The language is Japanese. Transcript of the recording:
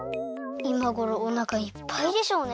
いまごろおなかいっぱいでしょうね。